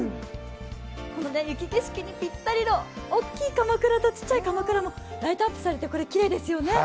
この雪景色にぴったりの大きいかまくらと小さいかまくらがライトアップされてきれいですよね。